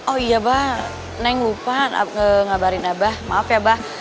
oh iya abah neng lupa nge ngabarin abah maaf ya abah